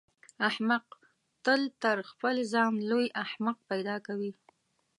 احمق تل تر خپل ځان لوی احمق پیدا کوي.